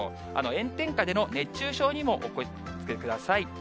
炎天下での熱中症にもお気をつけください。